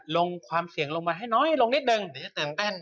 ลงความเสี่ยงลงมาให้น้อยลงนิดนึง